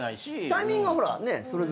タイミングはそれぞれ。